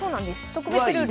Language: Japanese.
特別ルールで。